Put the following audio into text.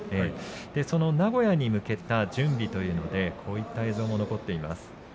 その名古屋に向けた準備ということでこういった映像も残っています。